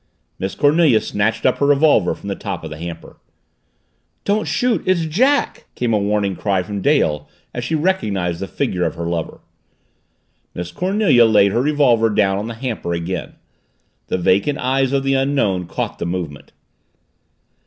Miss Cornelia snatched up her revolver from the top of the hamper. "Don't shoot it's Jack!" came a warning cry from Dale as she recognized the figure of her lover. Miss Cornelia laid her revolver down on the hamper again. The vacant eyes of the Unknown caught the movement.